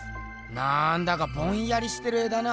なんだかぼんやりしてる絵だな。